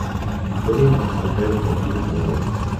Se pueden encontrar en Brasil y Paraguay.